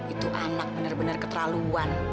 itu anak bener bener keterlaluan